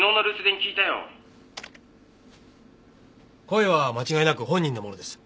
声は間違いなく本人のものです。